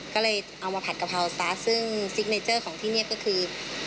ก็เลยเอามาผัดกะเพราสตาร์ทซึ่งซิกเนเจอร์ของที่นี่ก็คือ